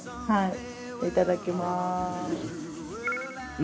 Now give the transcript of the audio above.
はい。